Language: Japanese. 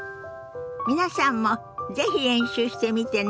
皆さんも是非練習してみてね。